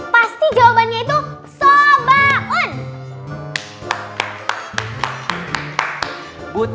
pasti jawabannya itu sobaun